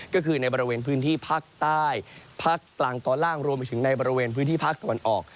ก็คือในบริเวณพื้นที่ภาคใต้ภาคกลางตอนล่างรวมไปถึงในบริเวณพื้นที่ภาคตะวันออก